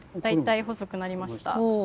大体細くなりました。